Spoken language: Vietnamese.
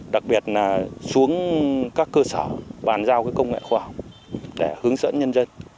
đặc biệt là xuống các cơ sở bàn giao công nghệ khoa học để hướng dẫn nhân dân